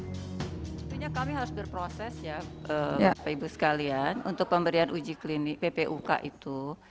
tentunya kami harus berproses ya bapak ibu sekalian untuk pemberian uji klinik ppuk itu